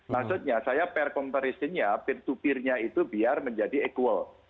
maksudnya saya per comparisinya peer to peer nya itu biar menjadi equal